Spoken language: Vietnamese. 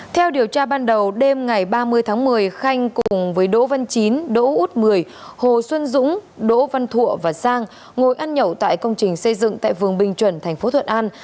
theo điều tra ban đầu đêm ngày ba mươi tháng một mươi khanh cùng với đỗ văn chín đỗ út mười hồ xuân dũng đỗ văn thụa và giang ngồi ăn nhậu tại công trình xây dựng tại vườn bình chuẩn tp thuận an